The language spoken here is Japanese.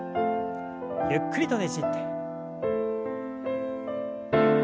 ゆっくりとねじって。